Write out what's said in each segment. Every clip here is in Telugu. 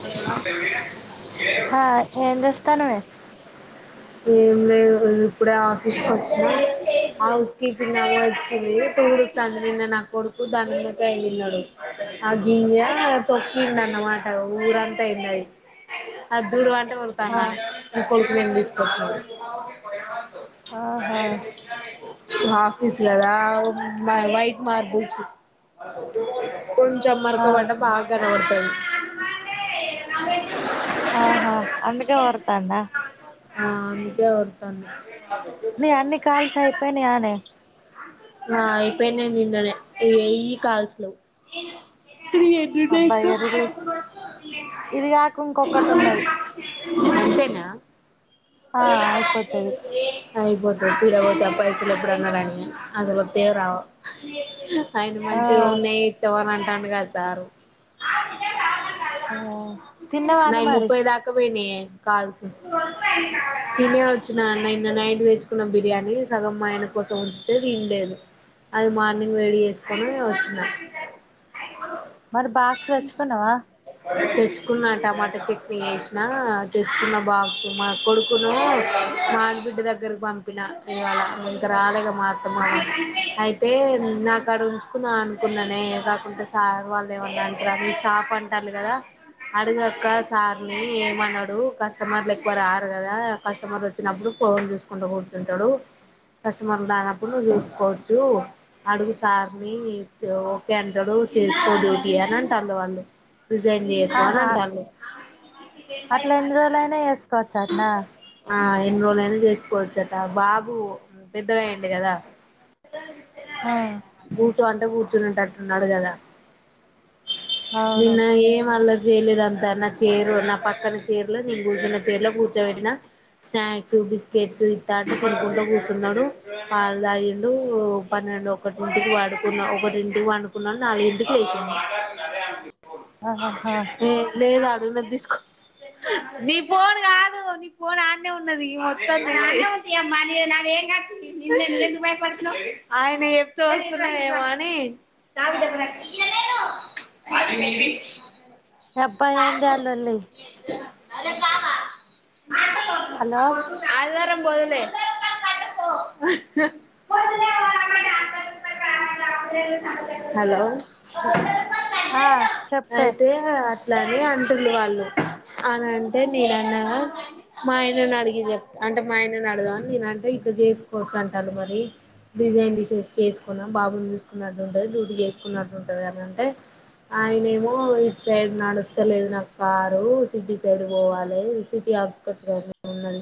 హలో హా ఏం చేస్తన్నావే ఏం లేదు ఇప్పుడే ఆఫీస్ కు వచ్చిన హౌస్ కీపింగ్ ఆమె వచ్చింది తుడుస్థాంధి నా కొడుకు దాని మీద వెళ్ళినడు ఆ గింజ తొక్కిండన్నమాట ఊరంతా అయింది అద్దూడ తుడుత్తంది ఆమె కొడుకు లెం తీస్ స ఆహా అదే మ ఆ ఇసులదా మ్ వైట్ మార్బుచ్చు కొంచెం మరక పడ్డ బాగా కనబడతది. తాందా ఆ నీదే [unintelligible] నీ అన్ని కాల్స్ అయిపోయినా అనే ఆ అయిపోయి నేను నిన్ననే ఈ ఈ కాల్స్ లో తీ అబ్బా ఇగ రిలీఫ్ ఇది కాక ఇంకొకటి ఉన్నది [unintelligible] ఆ ఆ ఇపోతది అయిపోతది పీడ పోతది పైసలు ఎప్పుడున్న పడని అసలు వత్తాయో రావో ఆయన ఆ మంచి ఉన్నాయి తవరంట గా సారు ఆ తిన్నవానే నావి మరి ముప్పై దాకా పోయినాయి యే కాల్స్ తినే వచ్చిన అన్నన్న నైట్ తెచ్చుకున్న బిర్యానీ సగం మా ఆయన కోసం ఉంచితే తినలేదు అది మార్నింగ్ వేడి చేసుకొని వచ్చినా మరి బాక్స్ తెచ్చుకున్నావా తెచ్చుకున్న టమాటా చట్నీ చేసినా తెచ్చుకున్న బాక్స్ మా కొడుకును మా ఆడబిడ్డ దగ్గరకు పంపిన ఇవాళ ఇంకా రాలేదు మా అత్తమ్మ అయితే నాకు అడ ఉంచుకున్నా అనుకున్నానే కాకుండా సార్ వాళ్ళు ఏమన్నా అంటరా అని మీ స్టాప్ అంట అంటారు కదా అడుగుయక్క సార్ని ఏమన్నాడు కస్టమర్లు ఎక్కువ రారు కదా కస్టమర్ వచ్చినప్పుడు ఫోన్ చూసుకుంటూ కూర్చుంటాడు కస్టమర్లు రానప్పుడు నువ్వు చూసుకోవచ్చు అడుగు సార్ని ఓకే అంటాడు చేసుకో డ్యూటీ అని అంటళ్ళు వాళ్ళు రిజైన్ చెయ్యద్దు అని ఆహా అంటా ఉంది అట్లా ఎన్ని రోజులుయినా వేసుకోవచ్చు అట్నా ఆ ఎన్ని రోజులు ఐనా చేసుకోవచ్చు అట బాబు పెద్దగా అయ్యుండు కదా ఆ కూర్చో అంటె కూర్చుని ఉండేటట్టు ఉన్నాడు కదా అవును మేం అళ్ళ చేయలేదుంతా నా చీర నా పక్కన చీరలో నేను కూర్చున్న చీరలో కూర్చోబెట్టి స్నాక్స్ బిస్కెట్స్ ఇతాటి కొనుకుంటలో కూర్చున్నాడు వాళ్ళ తాగిండు పన్నెండు ఒకటింటికి వాడుకున్నా ఒకటింటికి వండుకున్నాడు నాలుగుంటికి లేసిండు ఆహా ఏ లేదు ఆడ నీ పోను కాదు నీ పోన్ ఆన్న ఉన్నది ఆయన ఎప్పుడు వస్తున్నాడో ఎమో అని [unintelligible] అబ్బా ఏందీ ఆ లొల్లి అదే పామ హలో ఆదివారం పోదులే [unintelligible] హలో ఆ చెప్పే అయితే అట్లాని అంటుల్లు వాళ్ళు అని అంటే నేను అన్నాగా మా ఆయనని అడిగి చెప్త అంటే మా ఆయనని అడగాంని నేనంటే ఇట్ చేసుకోవచ్చు అంటారు మరి డిజైన్ తీసేసి చేసుకున్నాను బాబుని చూసుకున్నట్టు ఉంటుంది డ్యూటి చేసుకున్నట్టు ఉంటుంది అని అంటే ఆయన ఏమో ఇట్ సైడ్ నడుస్తలేదు నా కారు సిటీ సైడ్ పోవాలి సిటీ అవట్ స్కట్ ఉన్నది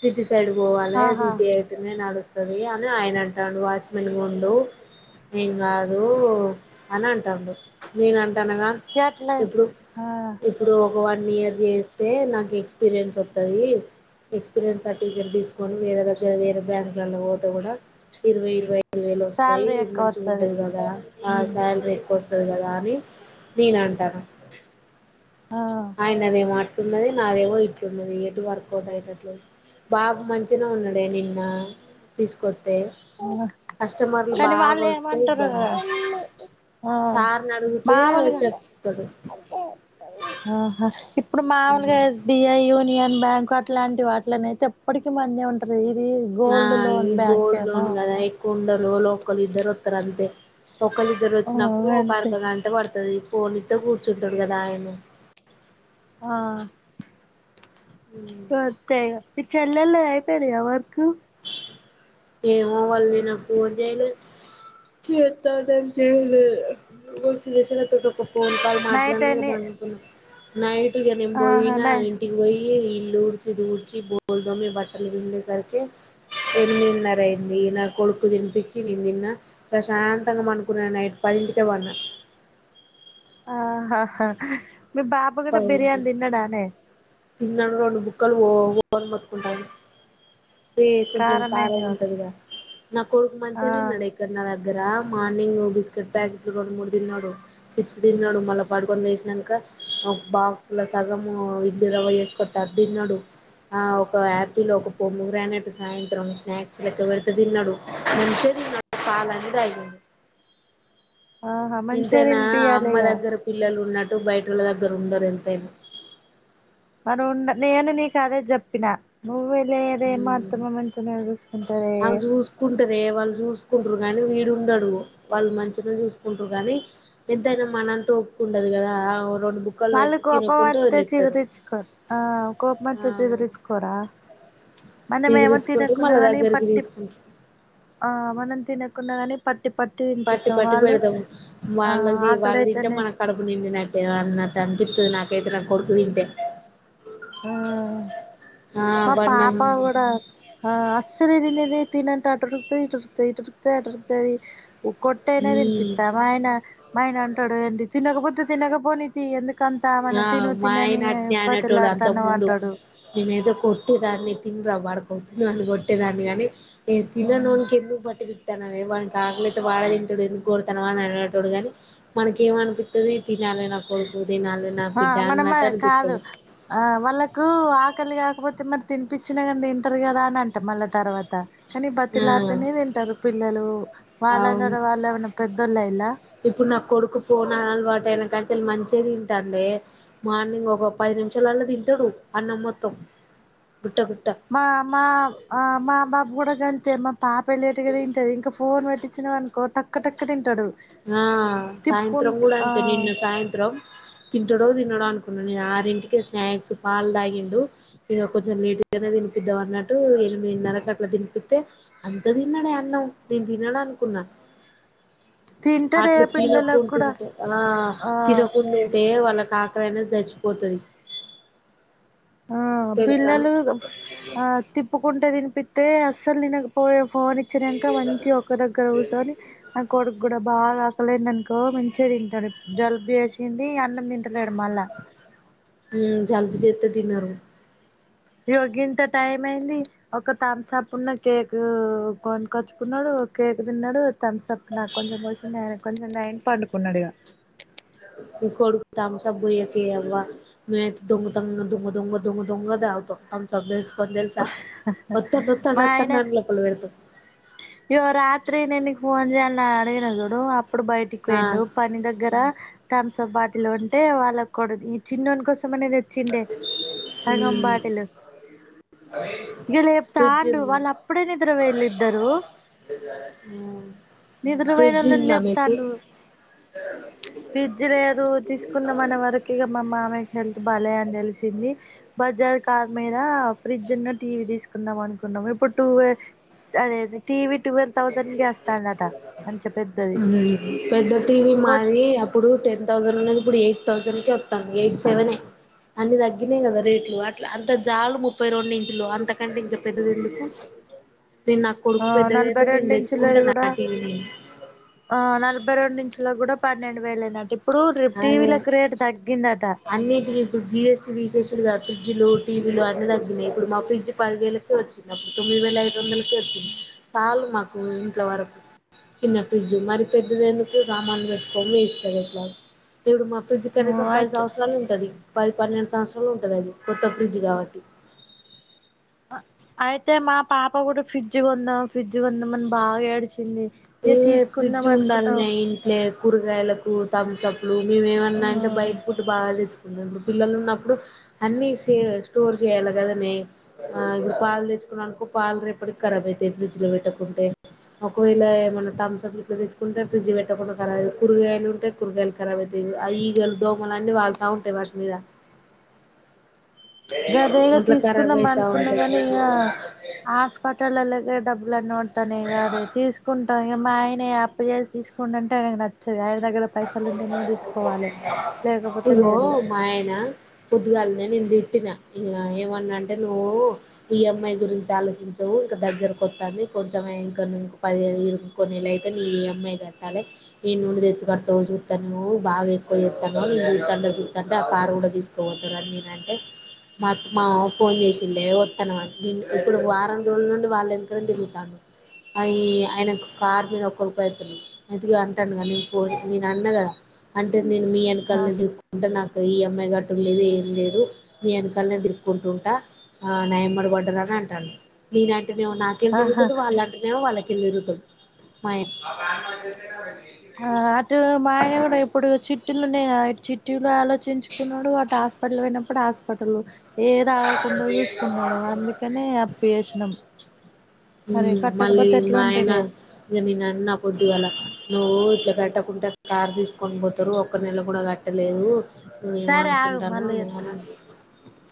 సిటీ సైడ్ పోవాలి ఆహా సిటీ అయితేనే నడుస్తు ంది అని ఆయన అంటాడు వాచ్ మెన్ గా ఉండు ఏం కాదు అని అంటాడు నేను అంటానుగా ఎట్లా ఇప్పుడు ఆ ఇప్పుడు ఒక వన్ ఇయర్ చేస్తే నాకు ఎక్స్పీరియన్స్ వస్తుది ఎక్స్పీరియన్స్ సర్టిఫికెట్ తీసుకొని వేరే దగ్గర వేరే బ్యాంక్లలో పోతే కూడా ఇరవై ఇరవై ఐదు వేలు వస్తాయి శాలరీ ఎక్కువ వత్తది మంచిగాగుంటది కదా ఆ శాలరీ ఎక్కువ వ వ కదా అని నేను అంటాను ఆ ఆయనదే మాట ఇట్న్ది నాదేవో ఇట్న్నది ఎటు వర్కౌట్ అయ్యటట్లేదు బాగా మంచిగా ఉన్నాడే నిన్న తీసుకొ కస్టమర్లు కానీ బాగా వాళ్ళు వస్తే ఏమంటారు ఇబ్బంది కదా ఆ సార్ ను అడిగితే చెప్తుంది అకే ఆహా ఇప్పుడు మామూలుగా ఎస్బీఐ యూనియన్ బ్యాంక్ వాట్ లాంటి వాటిలని అయితే ఎప్పటికి మంది ఉంటది ఆ గోల్డ్ ఈ లోన్ బ్యాంక్ గోల్డ్ ఏమో లోన్ గదా ఏక్ కొందరు లోకల్ ఇద్దరొత్తరు అంతే ఆ ఒక్కలిద్దరొచ్చినప్పుడు ఒక అంతే అర్ధ గంట పడుతది ఫోన్లిత్తే కూర్ చుట్టడు కదాయని ఆ పతై గా చెల్లెల్లది అయిపోయిందా ఇగ వర్కు ఏమో వాళ్ళు నిన్న పోన్ చేయలేద్ చేత్తా అని చేయలేదు ఫోన్ కాల్ నైట్ మాట్లాడిన ఇగ అని బన్ కు న్నా నైట్ ఇగ నేన్ ఆహా బోయినా నై ఇంటికి వోయి ఈ ఇల్లు ఊడ్చి దూడ్చి బోల్ దొమి బట్టల్ విండే సరికే ఎనిమిదిన్నర అయింది నా కొడుక్కు తినిపించి నేను దిన్నా ప్రశాంతంగా పనుకున్నా నైట్ పదింటికే వన్నా ఆహాహా హ్ మీ బాబు గుడా బిర్యానీ తిన్నడానే నా రొండు బుక్కలు బోవు మోతుకుంటాయి అే కొంచెం కారమైంది కారం కావచ్చు ఉంటదిగా నా కొడుక్ ఆ మంచిగాదిన్నడే ఇక్కడ నాదగ్ గ్గర మార్నింగ్ బిస్కెట్ ప్యాకెట్లు రెండు మూడు తిన్నాడు చిప్స్ తిన్నాడు మళ్ళా పడుకొని లేసినంక ఒక్ బాక్స్ లో సగము ఇడ్లి రవ్వ చేసుకత్త అదిన్నడు ఆ ఒక అపిల్ ఒక పొమో గ్రానేట్ సాయంత్రం స్నాక్స్ లెక్క పెడితే తిన్నడు పాలన్నీ తాగిండు ఆహా మంచిగా ఇంతేనా అమ్మ తినిపియాలిగా దగ్గర పిల్లలు ఉన్నర్ టు బయటోల్లా దగ్గరు ఉండర్ ఎంతేనా మరి ఉన్న నేను నీకు అదే జెప్పిన నువ్వెలేదే మా ఎంతైనా అత్తమ్మ మంచిగనే జూస్కుంటదే ంటరే వాళ్ళు జూసుకుంటరు కాని వీడు ఉండడు వాళ్ళు మంచిగా చూసుకుంటరు కాని ఎంతైనా మనంత ఒపీకుండదు గదా వాల్లకోపమత్తే చిరదించ్చుకో ఆ కోప ఆ మత్తే చీద్రించ్చుకోరా మనమేమో చీదిరించుకుంటారు మళ్ళా తినకున్నానె దగ్గరికి పట్టింపు తీసుకుంటారు ఆ మనం తినకున్న గాని పట్ పట్టి పట్టి పెడతాం ఆ వాళ్ళది వాళ్లు దింటే ఆకలైతేనే మన కడుపు నిండిన అన్నట్ అనిపిత్తది నాకైతే నా కొడుకుదింటే ఆ మా వాడు పాప నమ్ గుడా అస్సల్ త్రిన్లేదే త అంటా ఆటుకుతా ఇటురుకుతా ఇటురుుకుతా అడురుకుతాది కొట్ట అయినా మ్మ్ తినిపితినిస్తావా అయిన మా ఆయన తడే ఎంటిచ్చి నేకపోతె తినకపోనీతియ్ ఎందుకు కంతావనం ఆ తిను మా తినని ఆయన అట్నే అనేటోడు బతిమలాడు ముందు నిను ఏదో కొట్టేదాన్ అది తిన్రా బాడుకోవ్ తిిన అని కొట్టేదాన్ని గాని ఏ తిననోనిక్ ఎందుకు పట్టి నవే వాని ఆకలియితే వాడ తింటాడు ఎందుకు కొడతనవ అని అడగడు కాని మనక ఏమ అనిపిస్తది తినాలి నా కొడుకు తినాలి నా ఆ బిడ్డ మనమ అన్నట్టు కాదు అనిపిత్తది అ వాళ్ళకు ముక్కల్ కాకపోతె మరి తిపించిన కాని తింటర్ కదా అని అంటా మళ్ళా తర్వాత కనీ ఆ బతిీలాడితేనే తింటారు పిల్లలూ అవును వాళ్ళంత వాళ్ళు ఏమైన్నా పెద్దోళ్ళ ఇలా కాంచ మంచిగా తింటాంగె మార్నింగ్ ఒక పది నిమిషాల వాల్ల తింటాడు అన్నం మొత్తం గుట్ట గుట్ట మ మ మా బాబు కూడా జ తేమ పాప వెళ్ళేట. ది కదా తింటది ఇంకా ఫోన్ పెట్టించిన అనుకో టక్క్కటక్క్క తింటాడు ఆ సాయంత్రం తిప్పుకుంటూ కూడా ఆ అంతే అనుకున్నాను నేను ఆరింటికి స్నాక్స్ పాలు తాగిండు ఇక కొంచెం లేట్ గానే తినిపిద్దాం అన్నట్టు ఎనిమిదిన్నరకు అట్లా తినిపిస్తే అంత ఇంకా తిన్నాడే అన్నాం నేను తిన్నాడనుకున్నా తింటడే అట్ల పిల్లలకు కూడా తినక్కుంటుంటే ఆ ఆ తినకుంుంటే వాళ్ళ కాక అక్కడైనా చచ్చిపోతది ఆ తెలుసా పిల్లలు ఆ తిప్పుకుంటే తిన్ ప్పితీ అస్సలు తినక పోయ ఫోన్ ఇచ్చినాక మంచి ఒక్క దగ్గర కూర్చొని కొడుకు గుడ బాగ ఆకలేంది అనుకో మంచి తింటాడు జలుబు వేసింది అన్నం తింటలేడు మళ్ళా ల్ జల్బు చేతై తినరు యో గింత టైం అయింది ఒక తంస అప్పుడున్న కేక్ కొనికొచ్చుకున్నాడు కేక్ తిన్నాడు థమ్స్ అప్ నాకు కొంచెం పోషిండయా కొన్ని రెండుయనపాడుకున్నాడుగా ని కొడుక్ థంబ్స్అప్ భయకి అవ్వ మ దంగ దంగ దొంగ దొంగ దంగ దంగ తగుతవ్ థంబ్స్అప్ కొన్ తెలుసా ఒతుండు ఒతుండు ఒతుండు ఒత్తండలో పల్ల వెత ఇయవ రాత్రి ననికి ఫోన్ చేయల్ నా అడగేన చోడు అప్పుడు బయటికి ఆ వయిండు పని దగ్గర తామ్సుప్ బాటిల్ ఉంటే వాళ్ళ కూడా ఈ చిన్నకోస్త అనేది వచ్చిండే మ్మ్ రంగంబాటిలు ఇక లేపు ఫ్రిడ్జ్ తాండు ఉందా వాళ్ళు అప్పుడే నిద్ర వెళ్ళి ఇద్దరు మ్మ్ నిద్రమైన ఫ్రిడ్జ్ వాళ్ళని ఉందా మీకు లేపుతాండ ఫిడ్జ్ లేదు తీసుకున్నామన వరకు ఇమ్ మామె హెల్త్ బాల అని తెలిసింది బజార్ కార్ మీద ఫ్రిజన్న టీవీ తీ కుందం మనకున్నామయి ప టూవే అదే అదే టీ వి పెద్దది ఉమ్ పెద్ద టీవ కొ మాది అప్పుడు టెన్ థౌసండ్ ఉన్నది ఇప్పుడు ఎయిట్ థౌసండ్ క వంది ఎయిట్ సెవెన్ అన్ని తగ్గినయి కదా రేట్లు అట్ అంత జాలు ముప్పై రెండు ఇట్లు అంతకంటే ఇం పెద్దదిందుకు నేను నా కొడుకు నలభై పెద్దగాయితే రెండు ఇంచులధి కుడా ఆ నలభై రెండు ఇంచులధి కూడా పన్నెండు వేలైన ఇప్పుడు రెప్పు అదే టీవీలకు రేటు తగ్గింద అన్నిటికి ఇప్పుడు జిఎస్టి థెసి గా ఫ్రిడ్జ్లు టీవీలు అన్ని తగ్గినాయి ఇప్పుడు మా ఫ్రిడ్జ్ పది వేలక వచ్చింది అప్పుడు తొమ్మిది వేల ఐదు వందలకి వచ్చింది చార్ మాకు ఇంట్ వరకు చిన్న ఫ్రిడ్జ్ మరి పెద్దది ఎందుకు సామానులు పెట్టుకోము వేస్ ఎట్లా ఇప్పుడు మా ఫ్రిడ్జ్ కనిసం అయితే అవసరాలు ఉంటది పది పన్నెండు సంవత్సరాలు ఉంటది అది కొత్త ఫ్రిడ్జ్ కాబట్టి ఉమ్ అయితే మా పాప కూడా ఫ్రిడ్జ్ కొందాం ఫ్రిడ్జ్ కొందాంమని బాగా ఏడిచింది ఇక ఏ తీసుకుందాం ఫ్రిడ్జ్ అనుకున్నాం ఉండాలనే ఇంట్లో కూరగాయలకు థమ్స్ప్ ఇప్పు మేమన్నా అంట బయట ఫుట్ బాగా తెచ్చు డు పిల్లలు ఉన్నప్పుడు అన్ని సే స్టోర్ చేయాలి కదనే ఆ ఇడ పాలు తెచ్చుకున్నా అనుకో పాలు రేపటికి రాబ్ అయితాయి ఫ్రిడ్జ్ లో పెట్టకుంటే ఒకవేళ తథస ఇట్లా తెచ్చుకుంటే ఫ్రిడ్జ్ పెట్టకుండా కరాబ్ అ కూరగాయలు ఉంటాయి కూరగాయలు ఖరాబ్ అతాయి ఆ ఈగలు దోమలు అన్నీ వాళ్ళతా ఉంటాయి వాటి మీద గదేగా అట్లా ఖరాబ్ తీసుకున్నాం అయితా అనుకున్నాం కాని ఇక ఉంటాయి హాస్పిటల్లో డబ్బులు అన్న వాడతానే కాదు తీసుకుంటాం ఇ మా ఆయన అప్పు చేసి తీసుకుంటంటే ఆయనకు నచ్చదు ఆయన దగ్గర పైసలు ఉంటేనే తీసుకోవాలి లేకపోతే ఇదిగో లేదు మాయినా పొద్దుగాలినే నేను తిట్టిన ఇంక ఏమన్నా అంటే నువ్వు ఈఎంఐ గురించి ఆలోచించవు ఇంకా దగ్గరకుొత్తాంది కొంచెం ఇంక పది ఇ కొన్నిళ్ళు అయితే నీ ఈఎంఐ కట్టాలి ఈ నుండి తెచ్చి కడుతా ఎవ చూస్తాను నువ బాగా ఎక్కువ చేస్తాను నేను చూతాండ చూతాంటే ఆ కారు కూడా తీసుకోపోతానుని నేనంటే మా మా ఫోన్ చేసిలే వస్తాను నేను ఇప్పుడు వారం రోజుల నుండి వాళ్ళ వెనకనే తిరుగుతాను అవి ఆయన కార్ మీద ఒకరికి అస్తాను అయితేగా అంటాను కా నేను ఫో నె అన్న్ గదా అంటె నేను మీ ఆ వెనకాలనె తిరుక్కుంట నాకు ఈ అమ్మాయి గట్ట లేదు ఏం లేదు మీ వెనకాలనే తిరుక్కుంటూంట ఆ నా యమ్మట పడ్డదని అంటాను ఆహా నాకళ్ళితిరుగుతుండు వాళ్ళలాంటినే వాళ్ళకల్లె తిరుతుండు మాయిట్ ఆ ఇదిగో మా ఆయన కూడా ఎప్పుడు చిట్టీలున్నాయా చి లు ఆలోచించుకున్నాడు అటు హాస్పిటల్ పోయినప్పుడు హాస్పిటల్ లో ఏ తాగకుండా చూసుకున్నాడో అందుకనే అప్పి చేసినం మరి హ్మ్. మళ్ళీ కట్టకపోతే ఎట్లా మా ఆయన ఉంటదె ఇగ నేనన్నా పొద్దుగాల నువ్వు ఇట్ల కట్టకుంట కార్ తీసుకొని పోతారు ఒక్క నెల కూడా కట్టలేదు నువ్వేమొ సరే ఆగు అనుకుంటాను మళ్ళీ చేత్తా నువ్వున